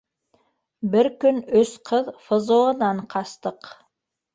Бер көн өс ҡыҙ ФЗО-нан ҡастыҡ.